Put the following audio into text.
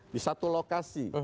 di satu lokasi